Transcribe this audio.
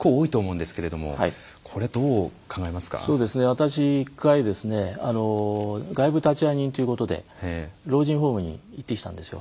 私１回外部立会人ということで老人ホームに行ってきたんですよ。